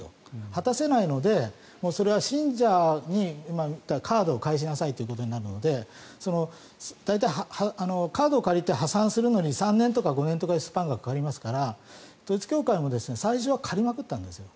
果たせないのでそれは信者にカードを返しなさいということになるので大体、カードを借りて破産するのに３年とか５年とかというスパンがかかりますから統一教会も最初は借りまくったんですよ